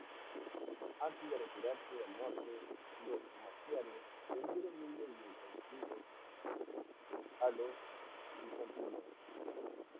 Antes de retirarse al norte, los magiares vendieron miles de cautivos a los bizantinos.